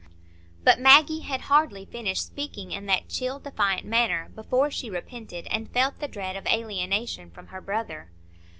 But Maggie had hardly finished speaking in that chill, defiant manner, before she repented, and felt the dread of alienation from her brother.